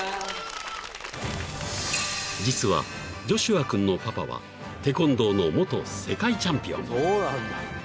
［実はジョシュア君のパパはテコンドーの元世界チャンピオン］